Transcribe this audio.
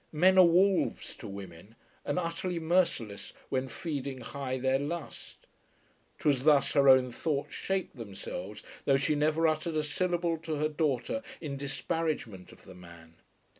Men are wolves to women, and utterly merciless when feeding high their lust. 'Twas thus her own thoughts shaped themselves, though she never uttered a syllable to her daughter in disparagement of the man.